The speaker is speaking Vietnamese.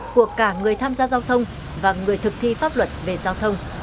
của cả người tham gia giao thông và người thực thi pháp luật về giao thông